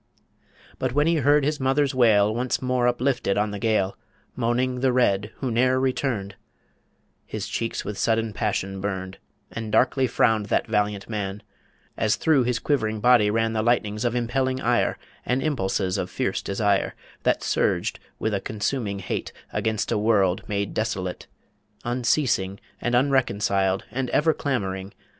But when he heard his mother's wail, Once more uplifted on the gale, Moaning The Red who ne'er returned His cheeks with sudden passion burned; And darkly frowned that valiant man, As through his quivering body ran The lightnings of impelling ire And impulses of fierce desire, That surged, with a consuming hate Against a world made desolate, Unceasing and unreconciled, And ever clamouring